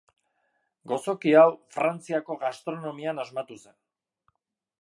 Gozoki hau, Frantziako gastronomian asmatu zen.